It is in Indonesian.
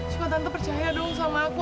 suka tante percaya dong sama aku